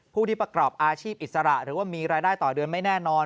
ผู้ที่ประกอบอาชีพอิสระหรือว่ามีรายได้ต่อเดือนไม่แน่นอน